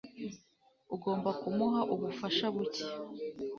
Ugomba kumuha ubufasha buke.